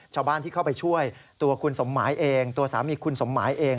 ชาวบ้านที่เข้าไปช่วยตัวคุณสมหมายเองตัวสามีคุณสมหมายเอง